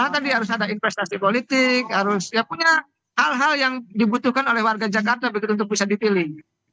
tadi harus ada investasi politik harus ya punya hal hal yang dibutuhkan oleh warga jakarta begitu untuk bisa dipilih